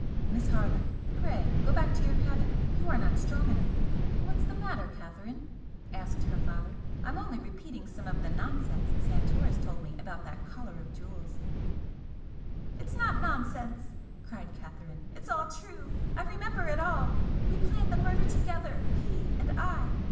"Miss Harland, pray go back to your cabin you are not strong enough " "What's the matter, Catherine?" asked her father "I'm only repeating some of the nonsense Santoris told me about that collar of jewels " "It's not nonsense!" cried Catherine. "It's all true! I remember it all we planned the murder together he and I!"